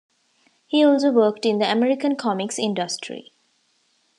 He also worked in the American comics industry.